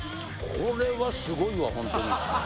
これはすごいわほんとに。